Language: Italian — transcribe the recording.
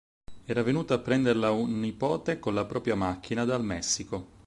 Era venuto a prenderla un nipote con la propria macchina, dal Messico.